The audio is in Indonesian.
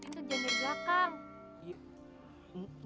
ke jendela belakang